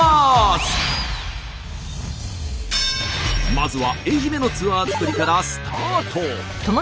まずは愛媛のツアー作りからスタート！